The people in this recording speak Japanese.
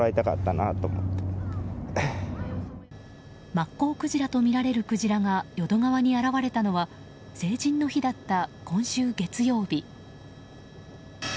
マッコウクジラとみられるクジラが淀川に現れたのは成人の日だった今週月曜日。